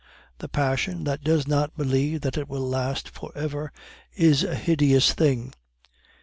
The passion that does not believe that it will last for ever is a hideous thing.